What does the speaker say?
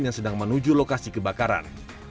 yang sedang menuju lokasi kebakaran